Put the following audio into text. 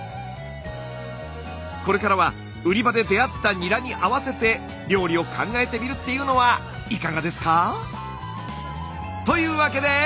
これからは売り場で出会ったニラに合わせて料理を考えてみるっていうのはいかがですか？というわけで！